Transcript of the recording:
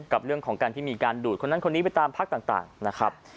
กับเรื่องของการที่มีการดูดคนนั้นคนนี้ไปตามพักต่างนะครับ